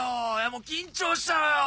もう緊張したよ。